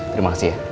terima kasih ya